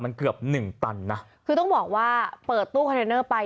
มันเกือบหนึ่งตันนะคือต้องบอกว่าเปิดตู้คอนเทนเนอร์ไป